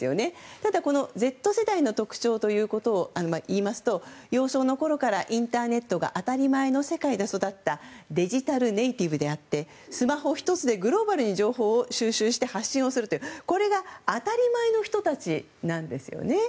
ただ、Ｚ世代の特徴ということを言いますと、幼少のころからインターネットが当たり前の世界で育ったデジタルネイティブであってスマホ１つでグローバルに情報を収集して発信をするという、これが当たり前の人たちなんですね。